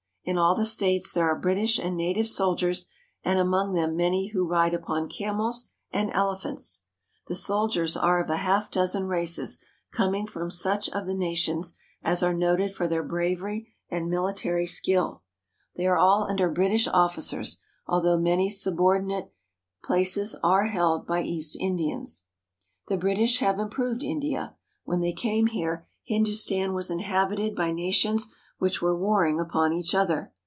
In all the states there are British and native soldiers, and among them many who ride upon camels and elephants. The soldiers are of a half dozen races coming from such of the nations as are "— who ride upon camels —" noted for their bravery and military skill. They are all under British officers, although many subordinate olaces are held by East Indians. The British h^^e improved India. When they came here Hindustan was inhabited by nations which were warring upon each other.